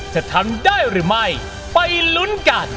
จะทำได้หรือไม่ไปลุ้นกัน